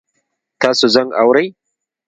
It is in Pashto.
تاسو زنګ اورئ؟